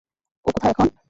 ও কোথায় এখন?